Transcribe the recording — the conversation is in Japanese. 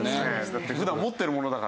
だって普段持ってるものだから。